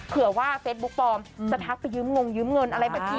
เผื่อว่าเฟซบุ๊กปลอมจะทักไปยืมงยืมเงินอะไรบัญชี